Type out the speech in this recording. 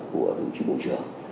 của đồng chí bộ trưởng